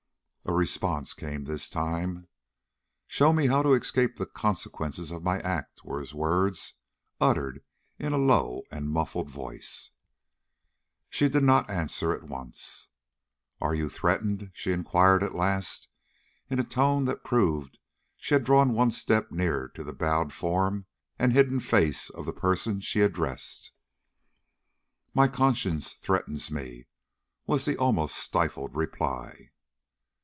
A response came this time. "Show me how to escape the consequences of my act," were his words, uttered in a low and muffled voice. She did not answer at once. "Are you threatened?" she inquired at last, in a tone that proved she had drawn one step nearer to the bowed form and hidden face of the person she addressed. "My conscience threatens me," was the almost stifled reply.